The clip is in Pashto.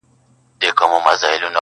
هغه اوس گل كنـدهار مـــاتــه پــرېــږدي.